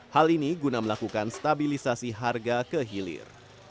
hal ini guna melakukan stabilisasi harga kehilir